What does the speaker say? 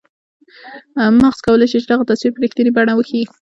مغز کولای شي چې دغه تصویر په رښتنیې بڼه وښیي.